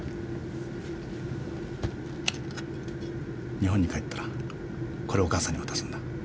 日本に帰ったらこれをお母さんに渡すんだ。